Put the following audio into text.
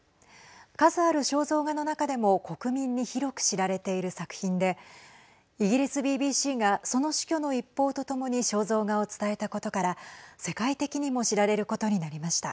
数ある肖像画の中でも国民に広く知られている作品でイギリスＢＢＣがその死去の一報とともに肖像画を伝えたことから世界的にも知られることになりました。